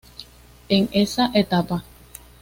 En esa etapa